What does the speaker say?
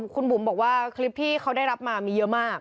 คุณบุ๋มบอกว่าคลิปที่เขาได้รับมามีเยอะมาก